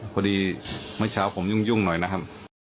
เมื่อเช้าผมยุ่งหน่อยนะครับ